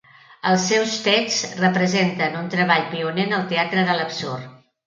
Els seus texts representen un treball pioner en el teatre de l'absurd.